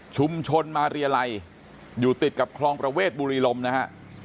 ชุมชนมาเรียลัยอยู่ติดกับคลองประเวทบุรีลมนะฮะ